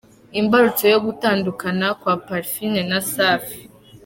Imbarutso yo gutandukana kwa Parfine na Safi….